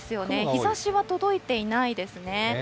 日ざしは届いていないですね。